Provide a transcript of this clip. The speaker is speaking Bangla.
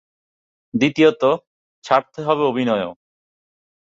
দ্বিতীয়ত, ছাড়তে হবে অভিনয়ও।